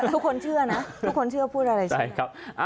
ทุกคนเชื่อนะทุกคนเชื่อพูดอะไรใช่ครับ